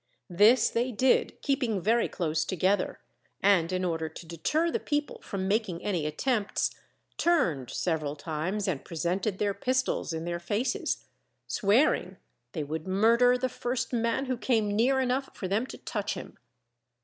This they did keeping very close together; and in order to deter the people from making any attempts, turned several times and presented their pistols in their faces, swearing they would murder the first man who came near enough for them to touch him.